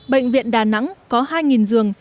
bệnh viện đà nẵng có hai giường